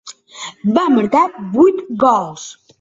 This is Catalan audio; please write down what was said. Va marcar vuit gols.